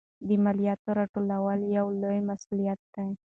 د مالیاتو راټولول یو لوی مسوولیت دی.